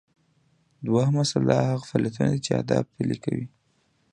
دوهم اصل هغه فعالیتونه دي چې اهداف پلي کوي.